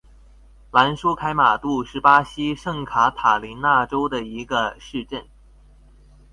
兰舒凯马杜是巴西圣卡塔琳娜州的一个市镇。